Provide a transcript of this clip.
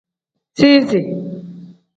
Sizi.